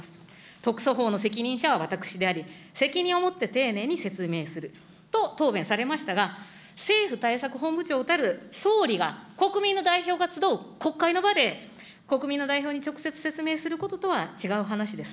特措法の責任者は私であり、責任を持って丁寧に説明すると、答弁されましたが、政府対策本部長たる総理が国民の代表が集う国会の場で、国民の代表に直接説明することとは違う話です。